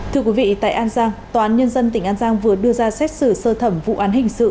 thưa quý vị tại an giang tòa án nhân dân tỉnh an giang vừa đưa ra xét xử sơ thẩm vụ án hình sự